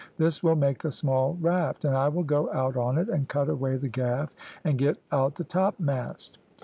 This will make a small raft, and I will go out on it and cut away the gaff and get out the topmast.'